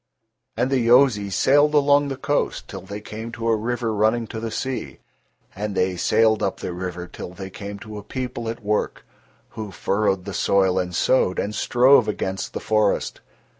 And the Yozis sailed along the coast till they came to a river running to the sea, and they sailed up the river till they came to a people at work, who furrowed the soil and sowed, and strove against the forest.